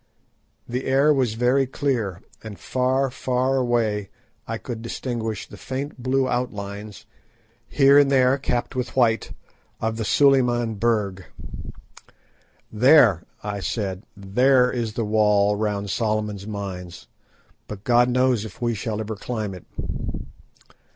The air was very clear, and far, far away I could distinguish the faint blue outlines, here and there capped with white, of the Suliman Berg. "There," I said, "there is the wall round Solomon's Mines, but God knows if we shall ever climb it."